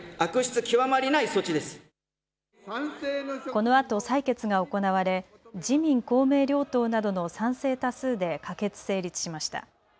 このあと採決が行われ自民公明両党などの賛成多数で可決・成立しました。